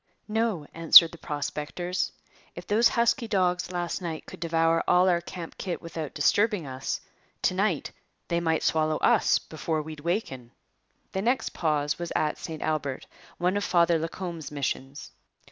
'No,' answered the prospectors. 'If those husky dogs last night could devour all our camp kit without disturbing us, to night they might swallow us before we'd waken.' The next pause was at St Albert, one of Father Lacombe's missions.